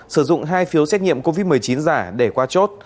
sử dụng hai phiếu xét nghiệm covid một mươi chín giả để qua chốt